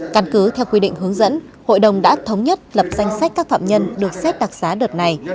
căn cứ theo quy định hướng dẫn hội đồng đã thống nhất lập danh sách các phạm nhân được xét đặc xá đợt này